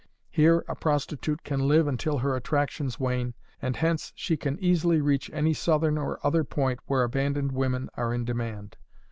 Here a prostitute can live until her attractions wane, and hence she can easily reach any southern or other point where abandoned women are in demand.